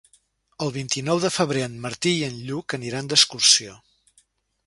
El vint-i-nou de febrer en Martí i en Lluc aniran d'excursió.